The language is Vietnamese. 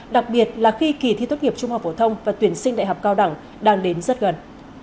đặc biệt là khi kỳ thi tốt nghiệp trung học phổ thông và tuyển sinh đại học cao đẳng đang đến rất gần